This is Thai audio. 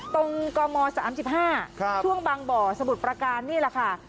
กม๓๕ช่วงบางบ่อสมุทรประการนี่แหละค่ะ